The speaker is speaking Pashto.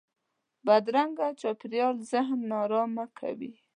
بدرنګه چاپېریال ذهن نارامه کوي